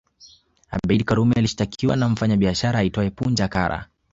Abeid Karume alishtakiwa na mfanyabiashara aitwae Punja Kara